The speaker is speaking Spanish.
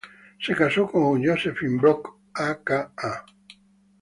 Se casó con Josephine Brock a.k.a.